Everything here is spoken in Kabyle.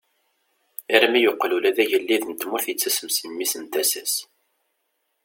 Armi yeqqel ula d agellid n tmurt yettasem si mmi n tasa-s.